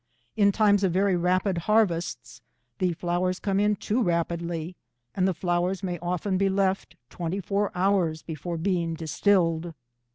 In times of very rapid harvests the flowers come in too rapidly, and the flowers may often be left twenty four hours before being distilled.